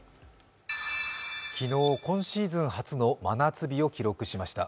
昨日、今シーズン初の真夏日を記録しました